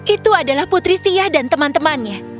itu adalah putri sia dan teman temannya